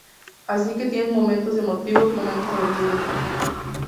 Así que tienes momentos emotivos, momentos agresivos.